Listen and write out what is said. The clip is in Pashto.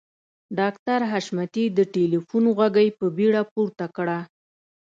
ډاکټر حشمتي د ټليفون غوږۍ په بیړه پورته کړه.